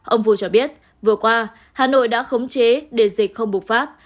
ông phu cho biết vừa qua hà nội đã khống chế để dịch không bục phát